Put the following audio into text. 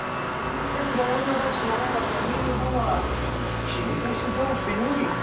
ですが女同士の仲というのは絹ごし豆腐よりもろいもの。